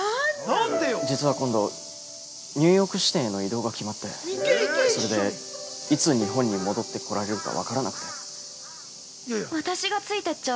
実は今度、ニューヨーク支店への異動が決まって、それで、いつ日本に戻ってこられるか分からなくて。